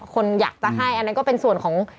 คนอยากจะให้อันนั้นก็เป็นส่วนของ